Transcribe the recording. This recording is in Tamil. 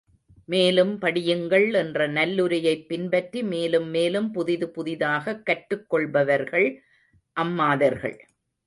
மேலும் படியுங்கள் என்ற நல்லுரையைப் பின்பற்றி மேலும் மேலும் புதிது புதிதாகக் கற்றுக்கொள்பவர்கள், அம்மாதர்கள்.